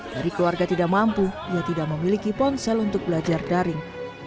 dari keluarga tidak mampu ia tidak memiliki ponsel untuk belajar daring